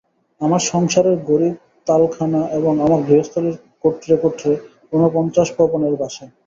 আমার সংসারের ঘড়ি তালকানা এবং আমার গৃহস্থালির কোটরে কোটরে উনপঞ্চাশ পবনের বাসা।